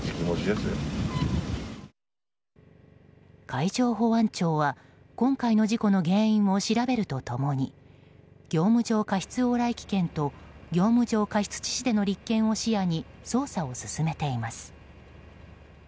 海上保安庁は今回の事故の原因を調べると共に業務上過失往来危険と業務上過失致死での立件を視野に捜査を進めています。